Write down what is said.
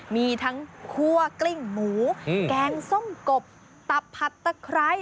มีทั้งคั่วกลิ้งหมูแกงส้มกบตับผัดตะไคร้